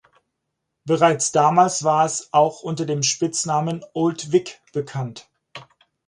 Bereits damals war es auch unter dem Spitznamen "Old Vic" bekannt.